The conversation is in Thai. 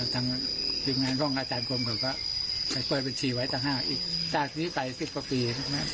ดรเกียรติวิทีารย์จะเปิดบัญชีให้ก็มีสิบประปี